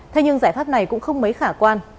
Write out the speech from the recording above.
thế nhưng giải pháp này cũng không mấy khả quan